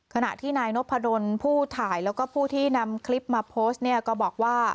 ขณะที่นายนพดลผู้ถ่ายแล้วก็ผู้ที่นำคลิปมาโพสต์เนี่ยก็บอกว่า